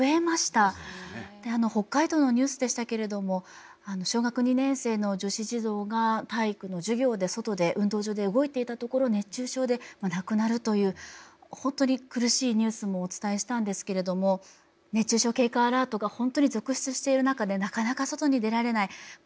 北海道のニュースでしたけれども小学２年生の女子児童が体育の授業で外で運動場で動いていたところ熱中症で亡くなるという本当に苦しいニュースもお伝えしたんですけれども。と非常に危機感を覚えています。